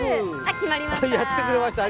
決まりました。